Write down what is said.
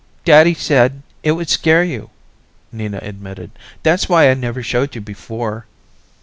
"Daddy said it would scare you," Nina admitted. "That's why I never showed you before."